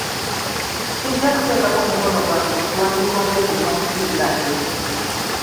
Sijja kuteeka mukono gwange ku kiwandiiko ng’ekyo ky'ompikiriza nteekeko.